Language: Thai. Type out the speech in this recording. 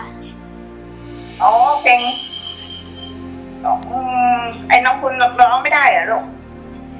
อ๋อไอ้น้องคุณร้องไม่ได้หรอลูก